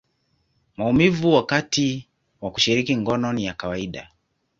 maumivu wakati wa kushiriki ngono ni ya kawaida.